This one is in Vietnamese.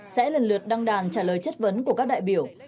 sẽ lần lượt đăng đàn trả lời chất vấn của các đại biểu